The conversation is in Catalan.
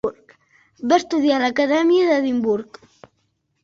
Va estudiar a l'Acadèmia d'Edimburg.